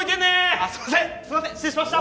あっすいません失礼しました！